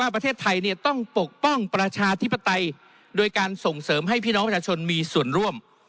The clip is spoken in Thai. ประเทศไทยต้องปกป้องประชาธิปไตยโดยการส่งเสริมให้พี่น้องประชาชนมีส่วนร่วม